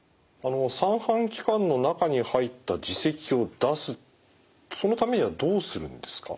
三半規管の中に入った耳石を出すそのためにはどうするんですか？